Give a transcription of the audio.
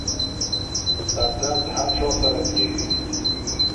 سردرد هر چا سره کېږي.